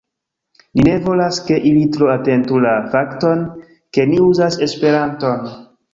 Ni ne volas, ke ili tro atentu la fakton, ke ni uzas Esperanton